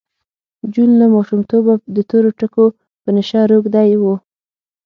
جون له ماشومتوبه د تورو ټکو په نشه روږدی و